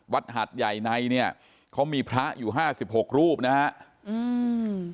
หัดใหญ่ในเนี้ยเขามีพระอยู่ห้าสิบหกรูปนะฮะอืม